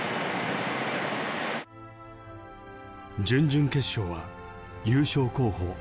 準々決勝は優勝候補